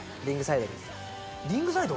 リングサイド？